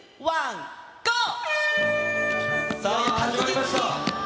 さあ、始まりました。